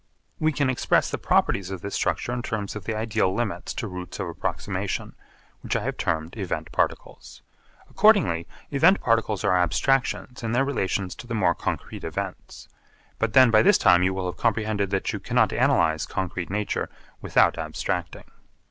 We can express the properties of this structure in terms of the ideal limits to routes of approximation, which I have termed event particles. Accordingly event particles are abstractions in their relations to the more concrete events. But then by this time you will have comprehended that you cannot analyse concrete nature without abstracting.